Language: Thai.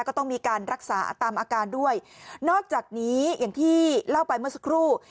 ก็ต้องมีการรักษาตามอาการด้วยนอกจากนี้อย่างที่เล่าไปเมื่อสักครู่